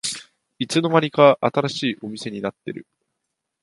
いつの間にか新しいお店になってる